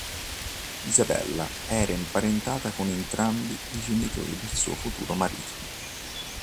Isabella era imparentata con entrambi i genitori del suo futuro marito.